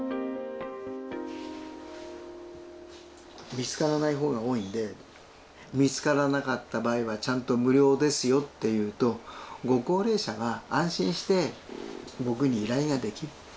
見つからない方が多いんで見つからなかった場合はちゃんと無料ですよって言うとご高齢者は安心して僕に依頼ができる。